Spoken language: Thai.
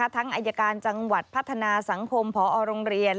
อายการจังหวัดพัฒนาสังคมพอโรงเรียน